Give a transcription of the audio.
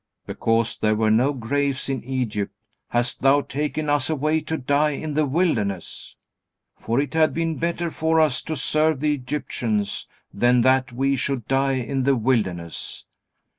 "Because there were no graves in Egypt, hast thou taken us away to die in the wilderness? For it had been better for us to serve the Egyptians, than that we should die in the wilderness."